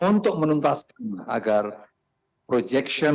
untuk menuntas agar projection